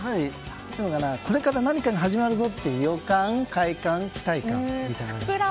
これから何かが始まるぞという予感、快感、期待感が。